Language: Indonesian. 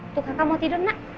untuk kakak mau tidur nak